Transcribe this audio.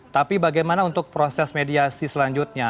tapi bagaimana untuk proses mediasi selanjutnya